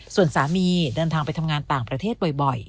ส่วนสามีเดินทางไปทำงานต่างประเทศบ่อย